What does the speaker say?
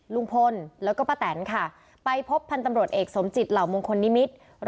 ลุงพลแล้วก็ป้าแตนค่ะไปพบพันธ์ตำรวจเอกสมจิตเหล่ามงคลนิมิตร